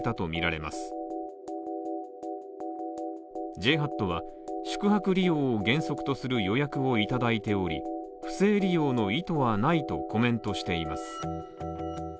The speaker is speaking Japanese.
ＪＨＡＴは、宿泊利用を原則とする予約をいただいており、不正利用の意図はないとコメントしています。